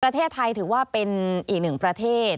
ประเทศไทยถือว่าเป็นอีกหนึ่งประเทศ